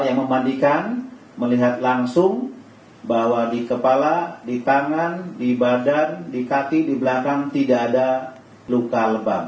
yang memandikan melihat langsung bahwa di kepala di tangan di badan di kaki di belakang tidak ada luka lebam